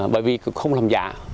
bởi vì không làm giả